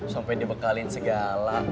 sampai dibekalin segala